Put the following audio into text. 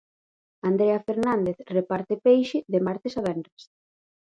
Andrea Fernández reparte peixe de martes a venres.